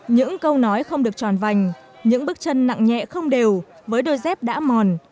những câu nói không được tròn vành những bước chân nặng nhẹ không đều với đôi dép đã mòn